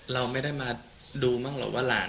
เราไม่ได้มาดูมั่งหรอกว่าหลาน